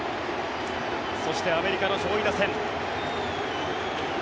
そしてアメリカの上位打線。